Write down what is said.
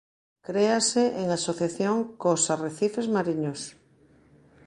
Créase en asociación cos arrecifes mariños.